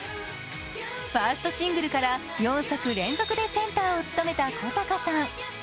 ファーストシングルから４作連続でセンターを務めた小坂さん。